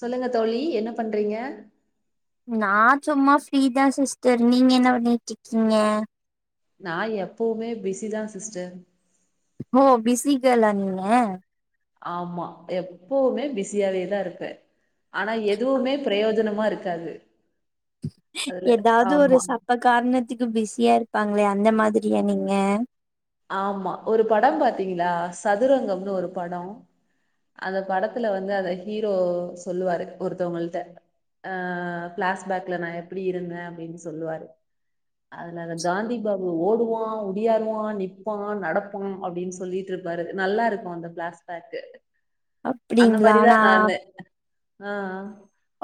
சொல்லுங்க தோழி என்ன பண்றீங்க நா சும்மா பிரிதான் சிஸ்டர் நீங்க என்ன பண்ணிட்டு இருக்கீங்க நா எப்பவுமே பிஸிதான் சிஸ்டர் ஓ பிசி கேர்ள்ல நீங்க ஆமா எப்பவுமே பிஸியாவேதான் இருப்பேன் ஆனா எதுவுமே பிரயோஜனம் மா இருக்காது அதுல எதாவ்து ஒரு ஆமா சப்ப காரணத்துக்கு பிஸியா இரு ப்பாங்லியா அந்த மாதிரியா நீங்க ஆமா ஒரு படம் பாத்தீங்களா சதுரங்கம்னு ஒரு படொ அந்த படத்துல வந்து அந்த ஹீரோ சொல்லுவாரு ஒருத்தவங்கள்ட்ட ஆ ஃபிளாஷ்பேக்ல நா எப்டி இருந்தே அப்டின் சொல்லுவாரு அதுல அத காந்தி பாபு ஓடுவா உடியாறுவா நிப் பா நடப்பா அப்டின் சொல்லிட்ருப்பாரு நல்லா இருக்கு அந்த ஃபிளாஷ்பேக்கு அந்த அப்டிங்களா மாரிதா நா நானு ஆ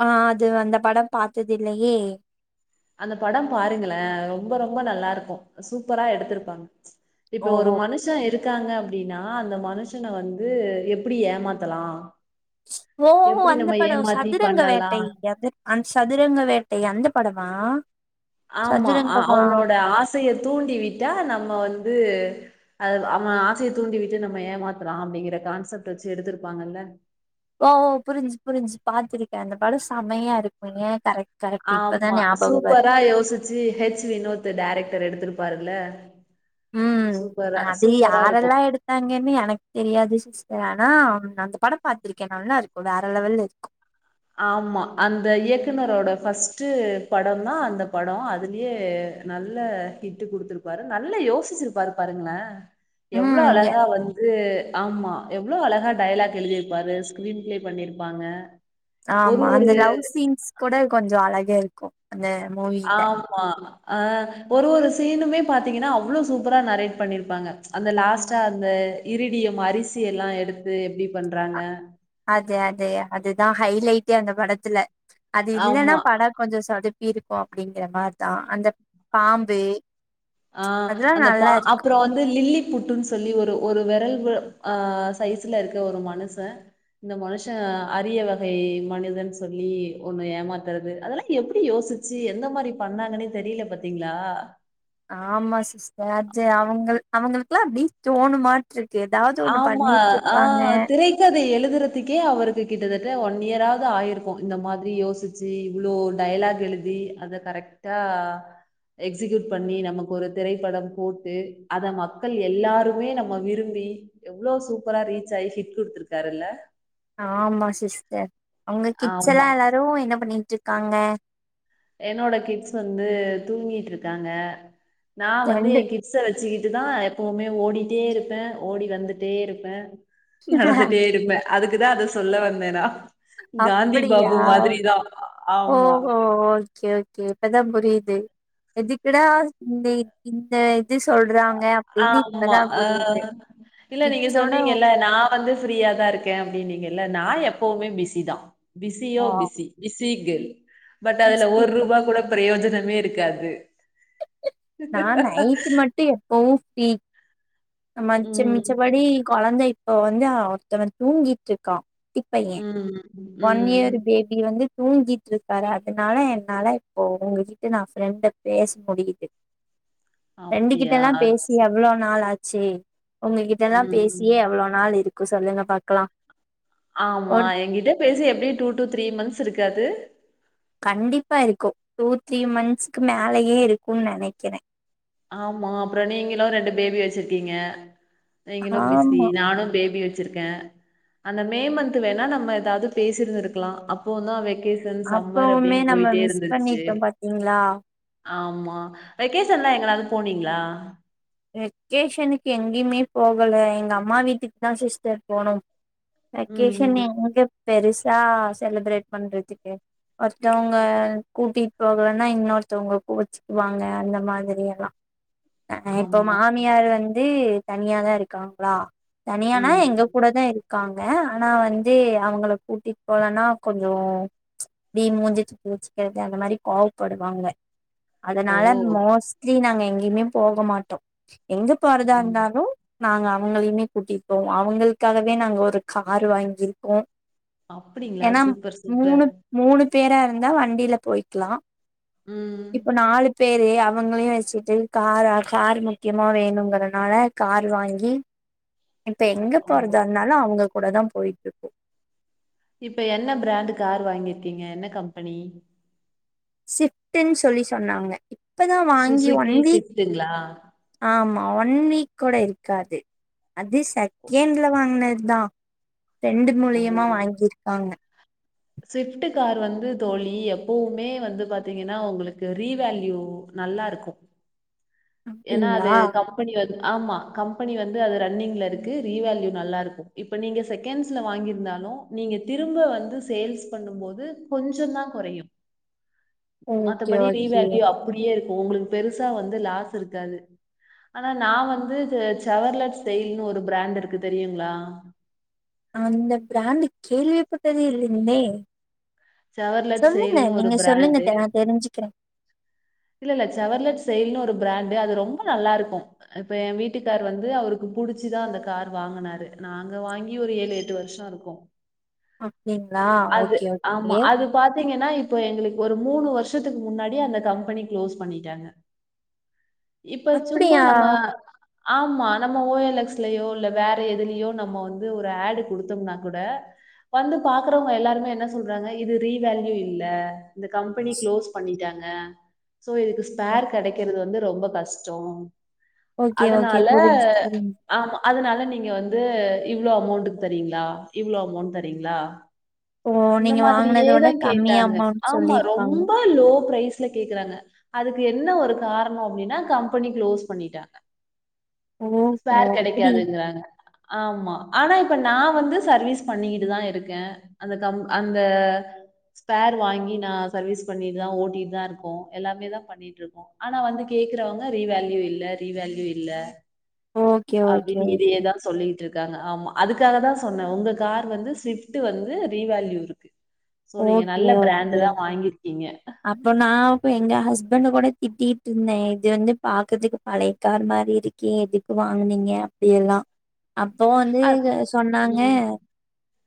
ஆ அது அந்த படம் பாத்ததில்லயே அந்த படம் பாருங்களே ரொம்ப ரொம்ப நல்லா இருக்கு சூப்பரா எடுத்துருப்பாங்க இப்ப ஓ ஒரு மனுஷ இருக் காங்க அப்டின்னா அந்த மனுஷன வந்து எப்புடி ஏமாத்தலா ஓ ஓ அந்த படொ சதுரங்க வேட்டை பண்ணலாம் அது அ சதுரங்க வேட்டை அந்த பட மா ஆமா அவனோட ஆசைய தூண்டி விட்டா நம்ம வந்து அ அவெ ஆசைய தூண்டி விட்டு நம்ம ஏமாத்துறா அப்டிங்கிற கான்செப்ட் வச்சு எடுத்திருப்பாங்கல்ல ஓ ஓ புரிஞ்சு புரிஞ்சு பாத்திருக்கே அந்த படொ சமையா இருக்கு ஏ கரெக்ட் கரெக்ட் இப்பதா ஆமா ஞாபகோ வரு சூப்பரா யோசிச்சு ஹெச் வினோத் டேரக்டர் எடுத்திருப் பாருல்ல உம் அது இருக்கும் யாரெல்லா எடுத்தாங்கன்னு எனக்கு தெரியாது ஆனா அந்த படம் பாத்திருக்கே நல்லா இருக்கு வேற லெவல்ல இருக்கு ஆமா அந்த இயக்குனரோட ஃபர்ஸ்ட்டு படொந்தா அந்த படொ அதுலயே நல்ல ஹிட்டு குடுத்துருப்பாரு நல்ல யோசிச்சிருப்பாரு பாருங்களே எவ்ளோ ம் எ அழகா வந்து ஆமா எவ்ளோ அழகா டையலாக் எழுதியிருப்பாரு ஸ்கிரீன் பிளே பண்ணிருப்பாங்க ஒரு ஆமா ஒரு அந்த லவ் சீன்ஸ் கூட கொஞ்சொ அழ கா இருக்கு அந்த மூவில ஆமா ஆ ஒரு ஒரு சீனுமே பாத்தீங்கனா அவ்ளோ சூப்பரா நரேட் பண்ணிருப்பாங்க அந்த லாஸ்ட்டா அந்த இரிடியம் அரிசி எல்லா எடுத்து எப்டி பண்றாங்க அதே அதே அதுதா ஹைலைட்டே அந்த படத்துல அது இல்லன்னா ஆமா படொ கொஞ்ச சொதப் பி இருக்கு அப்படிங்கிற மாரிதா அந்த பாம்பு ஆ அதெல்லா அந்த பா நல்லா இருக்கு அப்றோ வந்து லில்லி புட்டுன் சொல்லி ஒரு ஒரு வெரல் வ ஆ சைஸ்ல இருக்க ஒரு மனுஷ இந்த மனுஷ அரிய வகை மனிதன் சொல்லி ஒண்ணு ஏமாத்துறது அதெல்லா எப்புடி யோசிச்சு எந்த மாரி பண்ணாங்கனே தெரில பாத்தீங்ளா ஆமா சிஸ்டர் அஜ்ஜய அவுங்கள் அவுங்களுக்லா அப்டி தோணுமான் ஆமா ஆ‌ திரைக்கதை எழு துரதுக்கே அவருக்கு கிட்டத்தட்ட ஒன் இயராது ஆயிருக்கு இந்த மாதிரி யோசிச்சு இவ்ளோ டைலாக் எழுதி அத கரெக்டா எக்ஸிகியூட் பண்ணி நமக்கு ஒரு திரைப்படம் போட்டு அத மக்கள் எல்லாருமே நம்ம விரும்பி எவ்ளோ சூப்பரா ரீச் ஆயி ஹிட் குடுத்துருக்காருல்ல ஆமா சிஸ்டர். உங்க கிட்ஸ் எல்லா ஆமா. எல்லாரு என்ன பண்ணிட்டு இருக். காங்க. என்னோட கிட்ஸ் வந்து தூங்கிட்டு இருக்காங்க. நா வந்து ரெண்டு என் கிட்ஸச வச். சுக்கிட்டுதா எப்பவுமே ஓடிட்டே இருப்ப ஓடி வந்துட்டே இருப்ப. நடந்துட்டே இருப்ப. அதுக்குதா அத சொல்ல வந்த நா. காந்தி அப்படியா பாபு மாதிரிதா ஆமா. ஓஹோ ஓகே ஓகே இப்பதா புரியுது. எதுக்குடா இந்த இதன இந்த இது சொல்றாங். ஆமா ஆஹ இல்ல நீங்க கிட்ஸோட சொன்னீங்க இல்ல நா வந்து ஃப்ரீயாதா இருக்க அப்படின்னீங்க. இல்ல நா எப்பவுமே பிஸிதா. பிசியோ பிசி பிஸ். தீ கேள். பட் அதுல ஒரு ரூபா கூட பிரியோஜன. மே இருக்காது. நா நைட்டு மட்டும் எப்பவும் ஃப்ரி. மச்ச மிச்ச ம் படி கொழந்தை. இப்ப வந்து ஒருத்தவ தூங்கிட்டு இருக்கா. குட்டி பைய. ம் ஒன் ம் இயர் பேபி வந்து. தூங்கிட்டு இருக்காரு அதனால என்னால இப்போ உங்ககிட்ட நா ப்ரெண்டு பேச முடியுது. அப்டியா ரெண்டுகிட்டல்லா பேசி அவ்வளோ நாளாச்சு. ச்சே. உங்ககிட்ட எல்லா ம் பேசியே எவ்வளோ நாள் இருக். கு சொல்லுங்க பாக்கலா. ஆமா ஒரு எங்கிட்ட. பேசி எப்படியு டூ டூ த்ரீ மந்த்ஸ் இருக்காது. கண்டிப்பா இருக்கு டூ த்ரீ மந்த்ஸுக்கு மேலயே இருக்கும்ன்னு நெனைக்குற. ஆமா அப்புறோ நீங்களு ரெண்டு பேபி வச்சிருக்கீங்க. நீங்களு பிஸி ஆமா நானு பேபி வச். வச்சுருக்க. அந்த மே மந்த்து வேணா நம்ம ஏதாவது பேசியிருந்துருக்கலா. அப்போந்தா வெ. அப்பவுமே நம்ம மிஸ் பண்ணிட்டோ பாத்தீங்களா. ஆமா வெகேஷன்லா எங்கனாது. போனீங்ளா வெக்கேஷ்சனுக்கு எங்கியுமே போகல எங்க அம்மா வீட்டுக்குதா சிஸ்டர் போனோம் ம் வெக்கேஷன் ம் அங்க பெருஸ் யா செலிப்ரேட் பண்றதுக்கு ஒருத்தவங்க கூட்டிட்டு போகலன்னா இன்னொருத்தவங்க கோவுச்சிக்குவாங்க அந்த மாதிரி எல்லா [unintelligible] இப்போ ஆமா மாமியார் வந் வந்து தனியாதா இருக்காங்குளா தனியானா ம் எங்க கூட தா இருக்காங் ங்க ஆனா வந்து அவுங்குள கூட்டிட்டு போலன்னா கொஞ்சோ இப்டி மூஞ்ச தூக்கி வெச்சுக்குறது அந்த மாரி கோவப்படுவாங்க ஓ அதுனால மோஸ்ட்லி நாங்க எங் எங்கிமே போக மாட்டோ எங்க போறதா ம் இருந்தாலு நாங்க அவுங்களையுமே கூட்டிருப்போம் அவுங்களுக்காகவே நாங்க ஒரு காரு வாங்கிருக்கோம் அப்பிடிங்குளா சூப்பர் சூப்பர் மூணு பேரா இருந்தா வண்டியில போயிக்குலா ம் இப்போ நாலு பேரு அவ் அவுங்களையு வெச்சிட்டு காரா காருமம் முக்கியமா வேணுங்குறனால கார் வாங்கி இப்ப எங்கு ஓ போறதா இருந்தாலு அவுங்க கூடதாப் போயிட்டு போ இப்ப என்ன பிராண்டு் கார் வாங்கிருக்கீங்க என்ன கம்பெனி சிப்ட்டுன் சொல்லி சொன்னாங்க இப்பதா வாங்கி ஒன் சுசுகி வீக் சிஃப்ட்டுங்களா ஆமா ஆஹ் ஒன் வீக் கூட இருக்காது அது செக்கேண்ட்ல வாங்குனது தா ரெண்டு மூலியமா ஓ வாங்கிருக்காங்க ஸ்விஃப்ட் கார் வந்து தோழி எப்போவுமே வந்து பாத்தீங்கன்னா உங்குளுக்கு ரீவேல்யூ நல்லா இருக்கு ஏனா அது அப்டிங்களா கம்பெனி வந் து ஆமா கம்பெனி வந்து அது ரன்னிங்ல இருக்கு ரீவேல்யூ நல்லா இருக்கும் இப்ப நீங்க செக்கேண்ஸ்ல வாங்கிருந்தாலு நீங்க திரும்ப வந்து சேல்ஸ் பண்ணும் போது கொஞ்ச தான் குறையு ஓகே மத்தபடி ஓகே ரீவேல்யூ அப்பிடியே இருக் உங்குளுக் பெருசா வந்து லாஸ் இருக்காது ஆனா நா வந்து இது சவர்லெட்ஸ் சேயில்னு ஒரு பிராண்டு இருக்கு தெரியுங்குளா அந்த பிராண்ட கேள்விப்பட்டதை இல்லீங்ளே சவர்லெட் செயல்னு ஒரு பிராண்டு தெ நா தெரிஞ்சுக்கிறே இல்ல இல்ல சவர்லெட் செயல்னு ஒரு பிராண்டு அது ரொம்ப நல்லா இருக்கும் இப்ப என் வீட்டுக்கார் வந்து அவருக்கு புடிச்சுதான் அந்த கார் வாங்கினாரு நாங்க வாங்கி ஒரு ஏழு எட்டு வருஷம் இருக்கும் அப்படிங்களா அது ஓகே ஓகே ஆமா அது பார்த் திங்கன்னா இப்ப எங்களுக்கு ஒரு மூணு வருஷத்துக்கு முன்னாடி அந்த கம்பெனி க்ளோஸ் பண்ணிட்டாங்க இப்ப சும்மா அப்டியா நம்ம ஆமா நம்ம ஓஎல் எக்ஸ்லயோ இல்ல வேற எதுலயோ நம்ம வந்து ஒரு ஆடு கொடுத்தோம்னா கூட வந்து பாக்குறவங்க எல்லாருமே என்ன சொல்றாங்க இது ரீவேல்யூ இல்ல இந்த கம்பெனி க்ளோஸ் பண்ணிட்டாங்க சோ இதுக்கு ஸ்பேர் கிடைக்கிறது வந்து ரொம்ப கஷ்டம் ஓகே ஓகே அதனால புரிஞ்சு புரிஞ்சு ஆமா அதனால நீங்க வந்து இவ்ளோ அமௌண்ட்டுக்கு தரீங்களா இவ்ளோ அமௌண்ட் தரீங்களா ஓ இந்த நீங்க மாதிரியே வாங்குனதோட தான் கம்மி கேட்டாங்க அமௌண்ட் ஆமா சொல்லிருக்காங்க ரொம்ப லோ பிரைஸ் ல கேக்குறாங்க அதுக்கு என்ன ஒரு காரணம் அப்படின்னா கம்பெனி க்ளோஸ் பண்ணிட்டாங்க ஓ ஓ ஸ்பேர் அப்டி கெடைக்காதுங்கிறாங்க. ஆமா ஆனா இப்ப நான் வந்து சர்வீஸ் பண்ணிக்கிட்டு தான் இருக்கேன் அந்த அந்த ஸ்பேர் வாங்கி நான் சர்வீஸ் பண்ணிட்டுதான் ஓட்டிட்டு தான் இருக்கோம் எல்லாமே தான் பண்ணிட்டு இருக்கோம் ஆனா வந்து கேக்குறவங்க ரீவேல்யூ இல்ல ரீவேல்யூ இல்ல ஓகே ஓகே அப்படின்னு இதையே தான் சொல்லிட்டு இருக்கு இருக்காங்க ஆமா அதுக்காக தான் சொன்னே உங்க கார் வந்து சுவிப்ட் வந்து ரி வேல்யூ இருக்கு சோ ஓகே நீங்க ஓகே நல்ல பிராண்டு ஓகே. தான் வாங்கிரு அப்போ நான்ப்ப எங்க ஹஸ்பண்ட் கூட திட்டிகிட்டு இருந்தேன் இது வந்து பாக்குறதுக்கு பழையக்கார் மாதிரி இருக்கு எதுக்கு வாங்குனீங்க அப்படியெல்லாம் அப்போ வந்து அது சொன்னாங்க ம்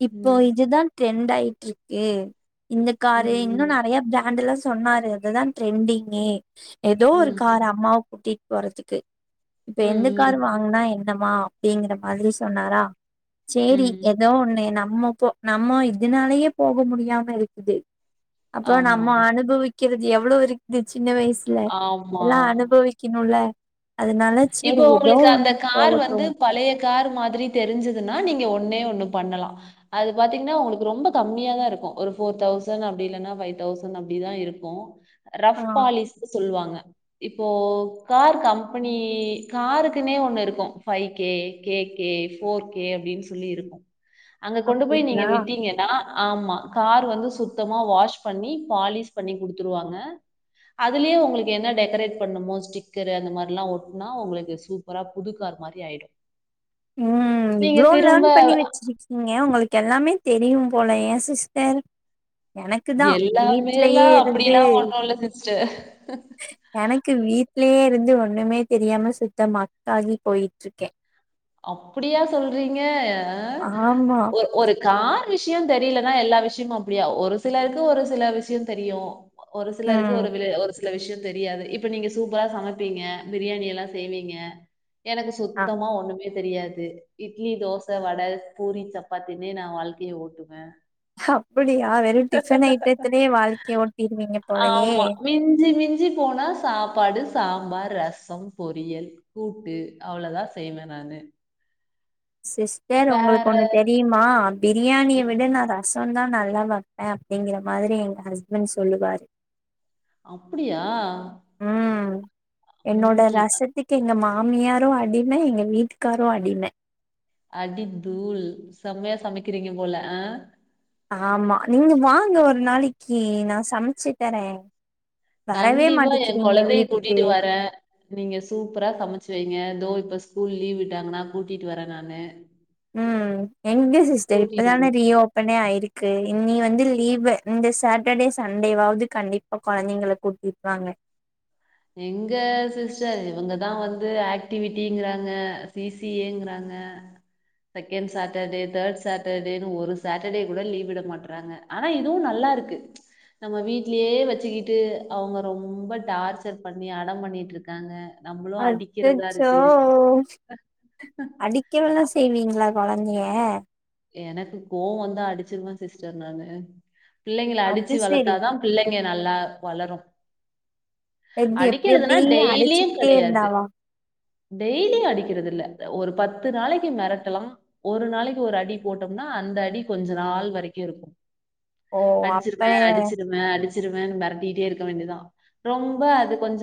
இப்போ ம் இதுதான் ட்ரெண்ட் ஆயிட் ருக்கு இந்தக்காரு ம் இன்னும் நிறைய ப்ரா பிராண்டெல்லாம் சொன்னாரு அதுதான் ட்ரெண்டிங்கி ஏதோ ம் ம் ஒருக்கார் அம்மாவ கூட்டிட் வரத்துக்கு இப்ப ம் எந்த ம் கார் ம் வாங்கனா என்னமா அப்படிங்கற மாதிரி சொன்னாரா சரி ம் ஏதோ ஒண்ணு நம்ம இப்போ நம்ம இதுனாலேயே போக முடியாம இருக்குது அப்புறம் நம் ஆமா அனுபவி வக்கிறது எவ்வளவு இருக்குதுச்சு. சின்ன வயசுல எல்லா ஆமா அனுபவிக்கணுள. இப்போ உங்களுக்கு அந்த கார் போகட்டு வந்து பழைய கார் மாதிரி தெரிஞ்சதுன்னா நீங்க ஒன்னே ஒண்ணு. பண்ணலா. அது பாத்தீங்கன்னா உங்களுக்கு ரொம்ப கம்மியாதா இருக்கு ஒரு போர் தௌசண்ட் அப்டி இல்லன்னா ஃபை தௌசண்ட் அப்படிதா இருக்கு. ஆ ரஃப் பாலிஸ்னு சொல்லுவாங்க. இப்போ கார் கம். அப்ப நீ காருக்குனே ஒண்ணு இருக்கு ஃபைவ்கே கேகே போர்கே அப்படின்னு சொல்லி இருக்கு. அங்க கொண்டு போய் நீங்க அப்டிங்களா விட்டீங்கன்னா. ஆமா கார் வந்து சுத்தமா வாஷ் பண்ணி பாலிஷ் பண்ணி குடுத்துருவாங்க. அதுலயே உங்களுக்கு என்ன டெக்ரேட் பண்ணுமோ ஸ்டிக்கர் அந்த மாரி. ல்லா ஒட்டுனா உங்களுக்கு சூப்பரா புதுக்கார் மாரி ஆயிடு. உம் நீங்க இவ்வளோ திரும்ப லேர்ன் பண்ணி வச்சிருக்கீங்க உங்களுக்கு எல்லாமே தெரியு. போலையே சிஸ்டர். எனக்கு தா எல்லாமேல்லா வீட்லயே இருந்து அப்படிலா ஒண்ணு இல்ல சிஸ். டர். எனக்கு வீட். வீட்லயே இருந்து ஒண்ணுமே தெரியாம சுத்த மக்க ஆகி போயிட்டு இருக்க. அப்படியா சொல்றீங்க ஹ ஆமா ஒரு ஒரு கார். விஷ்யோ தெரியலன்னா எல்லா விஷயமு அப்படியா ஒரு சிலருக்கு ஒரு சில விஷயோ தெரியு. ஒரு சிலருக்கு ம் ஒரு [unintelligible] ஒரு சி. சில விஷயோ தெரியாது இப்ப நீங்க சூப்பரா சமைப்பீங்க பிரியாணி எல்லா செய்வீங்க. எனக்கு அ சுத்தமா ஒண்ணுமே. தெரியாது. இட்லி, தோச, வட, பூரி, சப்பாத்தினே நா வாழ்க்கைய ஓட்டுவ. அப்படியா வெறு டிஃபன் ஐட்டத்திலயே வாழ்க்கைய ஓட்டிருவீங்க போலையே. ஆமா. மிஞ்சி மிஞ்சி போனா சாப்பாடு, சாம்பார், ரசம், பொரியல், கூட்டு அவ்வளோதா செய்வ நானு. சிஸ்டர் உங்களுக்கு வேற ஒண்ணு தெரியுமா பிரியாணிய ம். விட நா ரசந்தா நல். நல்லா வெப்ப. அப்படிங்கிற மாதிரி எங்க ஹஸ்பண்ட் சொல்லுவாரு. அப்படியா. உம் என்னோட ம். ரசத்துக்கு எங்க மா. மாமியாரு அடிம எங்க வீட்டுக்காரு அடிம. அடி தூள் செம்மையா சமைக்கிறீங்க போல ஆஹ. ஆமா நீங்க வாங்க ஒரு நாளைக்கு நா சமைச்சுத்தர. கண்டிப்பா என் கொழந்தைய கூட்டிட்டு வர நீங்க சூப்பரா சமைச்சு வைங்க இதோ. இப்ப ஸ்கூல் லீவ் விட்டாங்கன்னா கூட்டிட்டு வர நானு. உம். எங்க சிஸ்டர் கூட்டிட்டு இப்பதான ரீ வந்துட்டு ஓப்பனே ஆயுருக். க்கு இன்னி வந்து லீவு இந்த சாட்டர்டே சண்டேவாவ்து கண்டிப்பா கொழந்தைங்ள கூட்டிட்வாங்க எங்க சிஸ்டர் இவுங்கதா வந்து ஆக்டிவிட்டிங்குறாங்க ஈ சி ஏ ங்கறாங்க செகண்ட் சாட்டர்டே தேர்ட் சாட்டர்டேனு ஒரு சாட்டர்டே கூட லீவ் விட மாட்றாங்க ஆனா இதுவு நல்லாருக்கு நம்ம வீட்லயே வச்சுக்கிட்டு அவுங்க ரொம்ப டார்ச் சர் பண்ணி அடம் பண்ணிட்ருக்காங்க அச்சச்சோ அடிக்கவல்லா செய்வீங்களா கொழந்தைய எனக்கு கோவ வந்தா அடுச்சுருவ சிஸ்டர் நானு பிள்ளைங்கள அது அடிச்சு செரி வளத்தாதா பிள்ளைங்க நல்லா வளரு எது எப்டி அடிக்கிறதுனா எப்டிய டெய்லியு அடுச்சுக்ட்டே கெடையாது இருந்தாவா டெய்லி அடிக்கிறதில்ல ஒரு பத்து நாளைக்கு மெரட்டலா ஒரு நாளைக்கி ஒரு அடி போட்டோம்னா அந்த அடி கொஞ்ச நாள் வரைக்கு இருக்கு ஓ அப்பய சிருவேனு மெரட்டிட்டே இருக்க வேண்டியதா ரொம்ப அது கொஞ்ச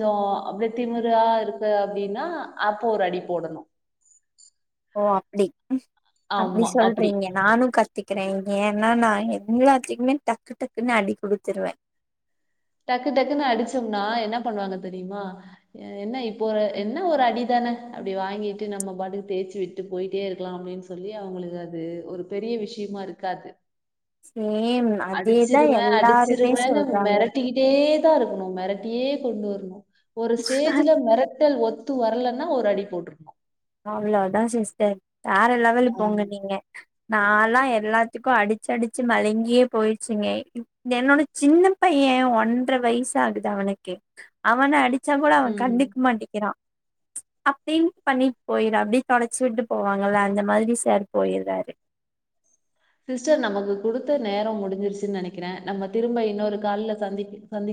அப்டெ திமுறா இருக்கு அப்டின்னா அப்பொ ஒரு அடி போடணு ஓ அப்டி அப்டி அப்படி சொல்றீங்க நானு கத்திக் கிறே ஏன்னா நா எல்லாத்துக்குமே டக்கு டக்குன்னு அடி குடுத்துருவே டக்கு டக்குனு அடிச்சம்னா என்ன பண்ணுவாங்க தெரியுமா என்ன இப்போ ஒரு என்ன ஒரு அடிதான அப்டி வாங்கிட்டு நம்ம பாட்டுக்கு தேச்சு விட்டு போயிட்டே இருக்கலா அப்டின் சொல்லி அவுங்களுக்கு அது ஒரு பெரிய விஷ்யமா இருக்காது சேம் அதேதா எல்லாருமே சொல்றாங்க கிட்டே தா இருக்கணு மெரட்டியே கொண்டு வரணு ஒரு ஸ்டேஜ்ல மெர ட்டல் ஒத்து வர்லன்னா ஒரு அடி போட்ருனு அவ்ள அதா சிஸ்டர் வேற லெவலு ஆமா. போங்க நீங்க நால்லா எல்லாத்துக் க்கு அடிச்சுடிச்சு மலுங்கியே போயிச்சுங்க என்னோட சின்ன பைய ஒன்ற வய்சாகுது அவனுக்கு அவன அடிச் ச்சா கூட அவன் உம் கண்டுக் மாட்டிக்கிறா அப்டி பண்ணி போயிடு அப்டே தொடச்சி விட்டு போவாங்கல்ல அந்த மாதிரி சார் போயிர்றாரு சிஸ்டர் நமக்கு குடுத்த நேரம் முடிஞ்சிருச்சுன் நெனக்கிறே நம்ம திரும்ப இன்னொரு கால்ல சந்தி சந்திக்க